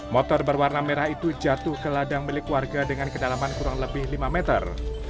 motor berwarna merah itu jatuh ke ladang milik warga dengan kedalaman kurang lebih lima meter